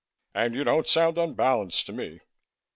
And you don't sound unbalanced to me."